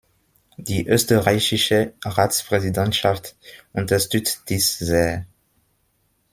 Die österreichische Ratspräsidentschaft unterstützt dies sehr.